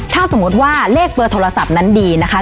ถ้าสมมุติว่าเลขเบอร์โทรศัพท์นั้นดีนะคะ